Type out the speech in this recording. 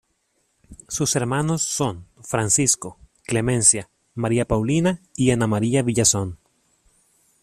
Sus hermanos son Francisco, Clemencia, María Paulina y Ana María Villazón.